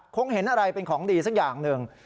คงเห็นอะไรเป็นของดีสักอย่างหนึ่ง